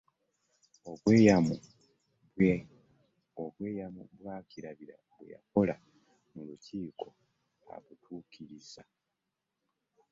Obweyamu bwa Kirabira bwe yakola mu lukiiko abutuukirizza.